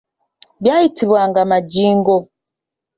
Byayitibwanga majingo.